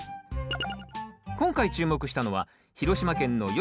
今回注目したのは広島県のよし！